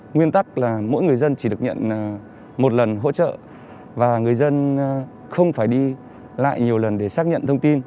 nguyên tắc là mỗi người dân chỉ được nhận một lần hỗ trợ và người dân không phải đi lại nhiều lần để xác nhận thông tin